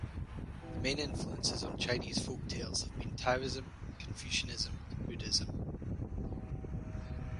The main influences on Chinese folk tales have been Taoism, Confucianism and Buddhism.